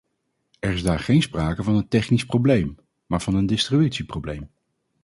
Er is daar geen sprake van een technisch probleem, maar van een distributieprobleem.